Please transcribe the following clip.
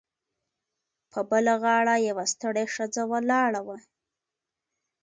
په بله غاړه یوه ستړې ښځه ولاړه وه